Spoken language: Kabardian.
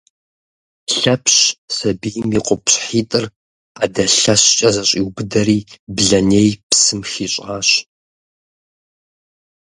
Лъэпщ сабийм и купкъыщхьитӏыр ӏэдэ лъэщкӏэ зэщӏиубыдэри блэней псым хищӏащ.